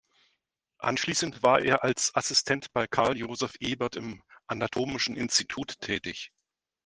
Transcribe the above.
Anschließend war er als Assistent bei Karl Joseph Eberth im Anatomischen Institut tätig.